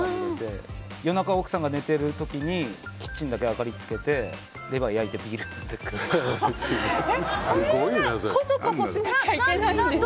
夜中、奥さんが寝てる時にキッチンだけ明かりつけてレバーを焼いてビールを飲んでます。